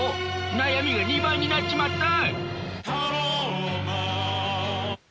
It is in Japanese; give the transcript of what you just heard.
悩みが２倍になっちまった！